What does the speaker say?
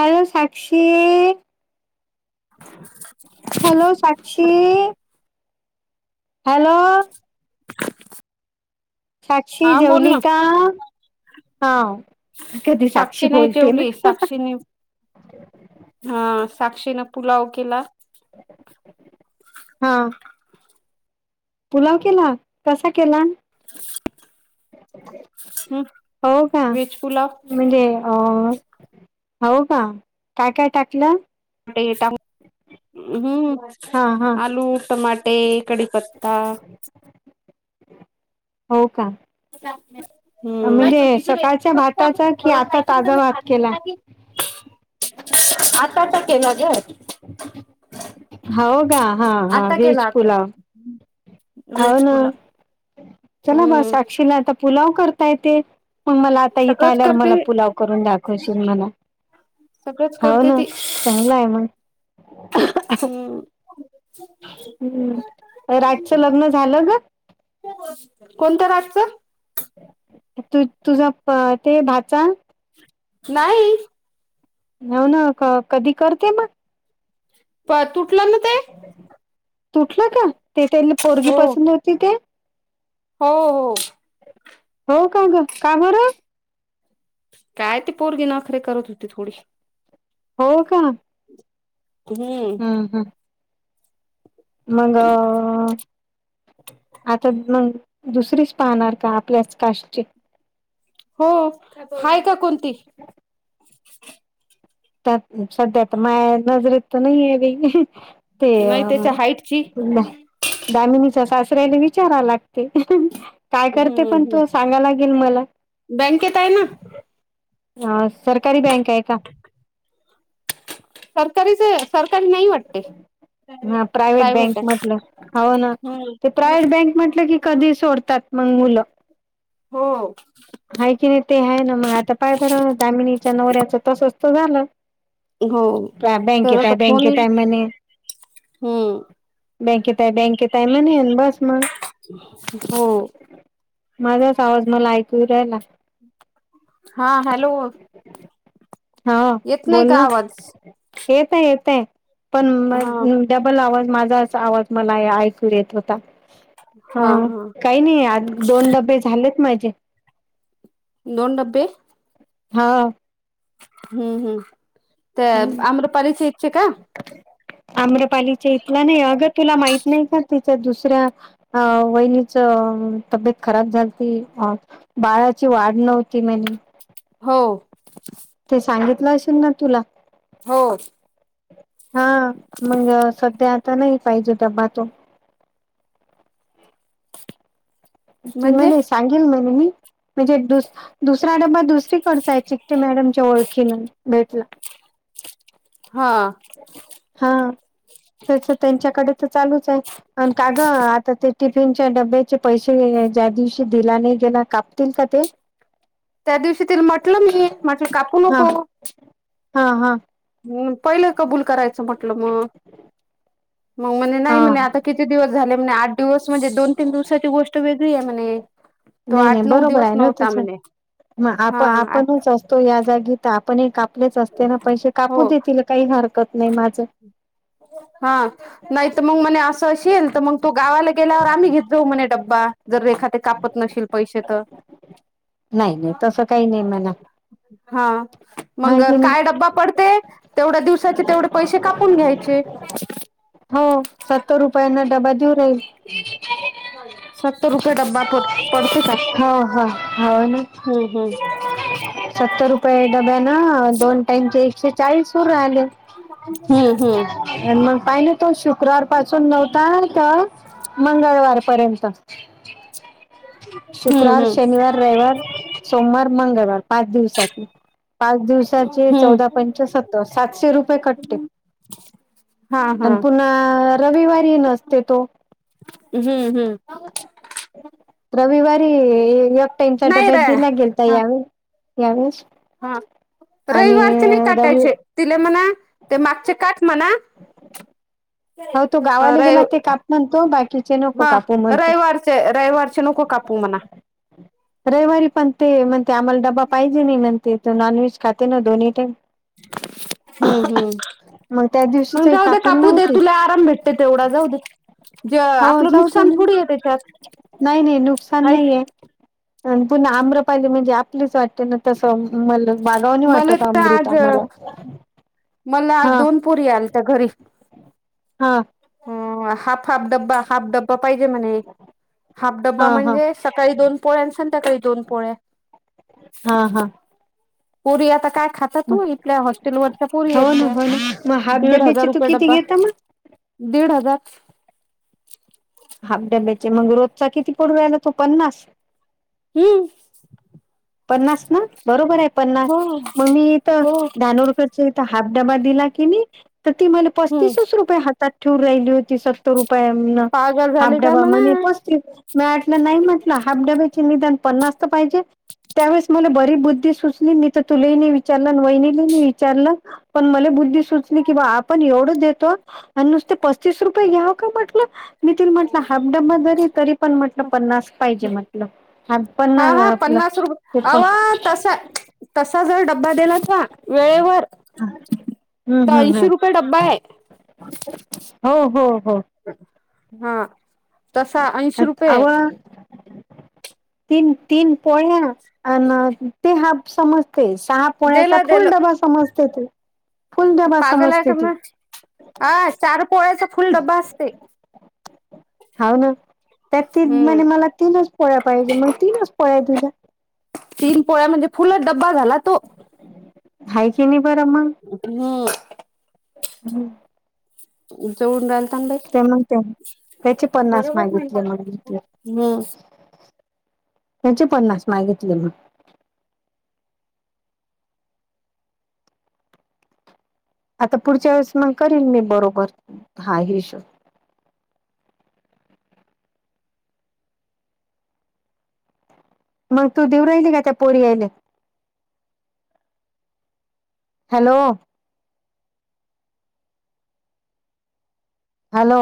Hello Sakshi. Hello Sakshi. Hello. Sakshi हा बोल जेवली ना का? हा कधी साक्षी नाही बोलते जेवली ना साक्षीने हा. साक्षीन पुलाव केला. हा. पुलाव केला कसा केला? [inaudible] हम् हो का? व्हेज पुलाव म्हणजे अ हो का, काय काय टाकलं? टे हम्म हा हा आलू, टमाट ते कढीपत्ता हो. का. [unintelligible] म्हणजे, सकाळच्या भाताचा कि आता ताजा भात केला. [unintelligible] आत्ताचा केला ग. हाव का? हा हा. व्हेज पुलाव. हमं. हाव ना चला बा हम्म साक्षीला आता पुलाव करता येते. मग, मला आता इथे सगळंच आल्यावर करते मला पुलाव करून दाखवशीन मला. सगळंच हाव करते ना ती चांगलं आहे मग. हम्म. हम्म. राजचं, लग्न झालं ग. कोणत्या राजचं. तू तुझा प ते भाचा नाही. हो, ना क कधी करते मग. तुटला ना, ते तुटलं का ते त्यांना पोरगी पसंत होती ते? हों हों. हो का गं, का बरं. काय ते पोरगी नखरे करत होती थोडीशी. हो का. हम्म. मगं, आता मग दुसरीच पाहणार का, आपल्याच कास्ट ची. हो, हाय का कोणती. सध्या तर माया नजरेत तर नाहिये बाई. ते नाही त्याच्या हाईटची [unintelligible] दामिनीचा सासरेला विचारा लागते. काय करते हम्म पण हम्म. तो, सांगा लागेल मला. बँकेत आहे ना अ सरकारी बँक आहे का? सरकारीच आहे सरकारी नाही वाटते. हा प्रायव्हेट बँक म्हटलं हव ना, ते हम्म. प्रायव्हेट बँक म्हटलं की. कधी सोडतात मग मुलं. हो. आहे की नाही ते आहे ना मग, आता पाय बरं दामिनीच्या नवऱ्याचं तसंच त झालं. हो त्या तर बँकेत आहे, आता फोन बँकेेत येईल हाय म्हणे. हम्म. बँकेेत आहे बँकेेत आहे, म्हणे बस मग. हो. माझाच आवाज मला ऐकू येऊ राहायला. हा हॅलो. हा.. येत नाही बोल का ना आवाज येत ये, येत पण हा मग. डबल आवाज माझाच, आवाज मला ऐकू येत होता. हा.. काही नाही आज, दोन डब्बे झालेत माझे. दोन डब्बे. हां. हम्म हम्म, त्या आम्रपाली इथचे काय. आम्रपालीच्या इथलं नाही अगं, तुला माहित नाही का. तिच्या दुसऱ्या अं.. वहिनीच तब्येत खराब झाल ती आं. बाळाची वाढ नव्हती म्हणे. हो. ते सांगितलं असेल ना तुला? हो. हां. मग संध्या आता नाही पाहिजे डब्बा तो. ते म्हणजे म्हणे सांगेल म्हणे मी. म्हणजे दुस-दुसरा डबा दुसरीकडचा आहे, चिकटे मॅडमच्या ओळखीन भेटला. हां. हां तेचं तेच्याकडेच चालूच आहे. आणि का गं आता ते, टिफिनच्या डब्याचे पैसे ज्या दिवशी दिला नाही गेला काप [unintelligible] त्या दिवशी तिल म्हटलं, मी म्हटलं कापू हा नको‌. हा हां. हम्म पहिलं कबूल करायचं म्हटलं मग. [inaudible] मग म्हणे नाही हा म्हणे आता किती दिवस झाले म्हणे, आठ दिवस म्हणजे दोन तीन दिवसाची गोष्ट वेगळी आहे म्हणे. तो नाही नाही आठ नऊ बरोबर दिवस आहेय न नव्हता तीच म्हणे मग आप आप हा नच तो या जागी तर आपण हे कापलेच असते ना, पैसे हो कापू देतील काही हरकत नाही माझं. हा. नाही तर मग मणे असं अशील तर मंग तो गावाला गेल्यावर आम्ही घेत जाऊ म्हणे ड्बा. जर रेखा ताई कापत नशील पैसे तर. नाही नाही तसं काही नाही मणा. हा मंग काय डब्बा पडते तेवढ्या दिवसाचे तेवढे पैसे कापून घ्याय चे हो, सत्तर रुपयांन डबा देऊ. हो सत्तर रुपये डब्बा पड पडते का [unintelligible] हा हा. अन हम्म सत्तर रुपये डब्यान, दोन टाईमचे एकशे चाळीस होवून राहिले. हम्म हम्म मग पाहि ना तो शुक्रवार पासून नव्हता तर मंगळवारपर्यंत. हम्म शुक्रवार हम्म शनिवार रविवार सोमवार मंगळवार पाच दिवसात पाच दिवस साचे हम्म हम्म चौदा पंचे सत्तर सातशे रुपये कटते. हा आणि हा पुन्हा रविवारी नसते तो हम्म हम्म. रविवारी एक टाइमच्या नाही डब्यात रे दिला गेलता हा यावेळे यावेळेस हा आणि रविवारचे नाही रवी काटायचे तिले म्हणा ते मागचे काठ म्हणा हो तो गावाला रवि गेला ते काप म्हणतो बाकीचे नको कापू म्हणतो. ते रविवारचे कापू नको म्हणा. रविवारी पण ते म्हणते, आम्हाला डब्बा पाहिजे नाही म्हण ते नॉनव्हेज खाते ना दोन्ही टाईम. हम्म हम्म. मग त्या दिवशीच मंग जाऊ दे, कापील कापू दे नव्हती तुला. काम भेटते तेवढा जाऊ दे. जे हो आपलं जाऊते [unintelligible] नुकसान ना थोडी आहे त्याच्यात नाही नाही नुकसान हाय नाहीे. आणि पुन्हा आम्रपाली म्हणजे, आपलीच वाटते ना. तसं मल मागाव नाही, मला वाटत तर आज अमृता मला. मला आज दोन पोरी आलत्या घरी. हां. हो हाफ हाफ ड्बा हाफ डब्बा पाहिजे म्हणे. हाफ हा डब्बा हा म्हणजे सकाळी दोन पोळे आणि संध्याकाळी दोन पोळ्या. हा हा. ‌ पुरी आता काय खात. आता तू इथल्या हॉस्टेल वरच्या पूरी हो ये ना त्या, हो ना मग हाफ दीड हजार डब्याचे तू रुपये किती डब्बा. घेता मग दीड हजार हाफ डब्याचे मग, रोजचा किती पडू राहिला तो पन्नास. हम्म. पन्नास ना बरोबर आहे पन्नास हो मंग मी ईथ हो दहा नवू रुपयात तिच्या इथं हाफ डबा दिला की, मी तर ती मला हम्म पस्तीसच रुपये हातात ठेवून राहिली होती. तो रुपयान, पागल हाफ झाली का डब्बा म्हणा म्हणे पस्ती मी आठ नाही म्हटलं हाफ डब्याचे निदान पन्नासत पाहिजे. त्यावेळेस मला बरी बुद्धी सुचली मी, तर तुला ही नाही विचारलं वहिनीनी ला ही विचारलं. पण मला बुद्धी सुचली की बा, आपण एवढंच देतो. आणि नुसते, पस्तीस रुपये घ्याव का म्हटलं. मी त म्हटलं हाफ डब्बा जरी तरी पण म्हटलं पन्नास पाहिजे मगं हात पण नाही आपलं. ते अवा तसा तसं जर, डब्बा दिला का वेळेवर. हम्म तर हम्म ऐंशी हम्म. रुपये डब्बा आहे. हो हो हो. हा. तसा आ ऐंशी त आव. रुपये तीन तीन पोळ्या आणि ते हाप समजते सहा [unintelligible] दिलं फुल दिलं डबा समजतोय तु. पागल आहे का, [unintelligible] अ चार पोळ्याचा फुल डबा असतंय. हाव ना त्यात ती हम्म म्हणे, मला तीनच पोळ्या पाहिजे मग तीनच पोळ्या दिल्या. तीन पोळ्या म्हणजे फुलच डब्बा झाला तो. हाय की नाय बरं मग? हम्म. हम्म. उंच उडू लागलं ना बाई. ते म्हणते मग त्याचे पन्नास मागितले मग हम्म [unintelligible] त्याचे पन्नास मागितले मग. आता पुढच्या वेळेस मग करीन मी बरोबर, हा हिशोब. मंग तू देऊ राहिली का त्या पोरीयायले? हॅलो. हॅलो.